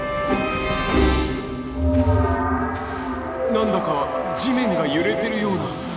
何だか地面が揺れてるような。